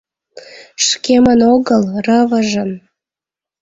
Шкемын огыл — рывыжын.